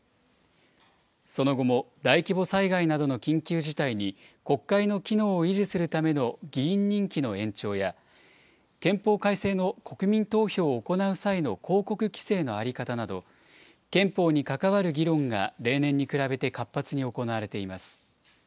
その後も大規模災害などの緊急事態に、国会の機能を維持するための議員任期の延長や、憲法改正の国民投票を行う際の広告規制の在り方など、憲法に関わる議論が例年に比べて活発に行われています。